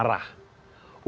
agar umat tidak marah